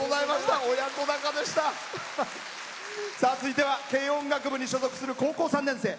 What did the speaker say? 続いては軽音楽部に所属する高校３年生。